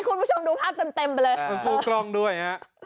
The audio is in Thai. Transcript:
ไปคุณผู้ชมดูภาพเติมไปเลย